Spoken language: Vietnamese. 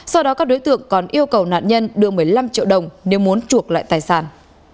sau đó các đối tượng còn yêu cầu nạn nhân đưa một mươi năm triệu đồng nếu muốn chuộc lại tài sản